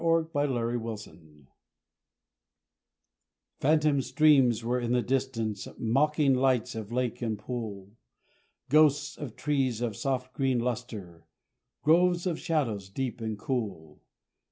Christmas Creek Phantom streams were in the distance mocking lights of lake and pool Ghosts of trees of soft green lustre groves of shadows deep and cool!